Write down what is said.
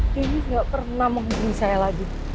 deniz gak pernah menghubungi saya lagi